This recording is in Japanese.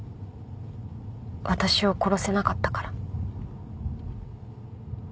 私を殺せなかったから。